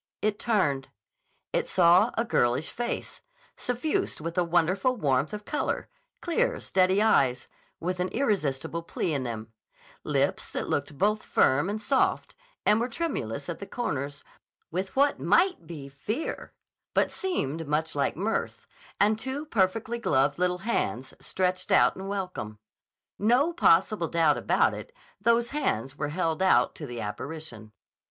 It turned. It saw a girlish face, suffused with a wonderful warmth of color, clear, steady eyes, with an irresistible plea in them; lips that looked both firm and soft and were tremulous at the comers with what might be fear, but seemed much like mirth, and two perfectly gloved little hands stretched out in welcome. No possible doubt about it; those hands were held out to the apparition.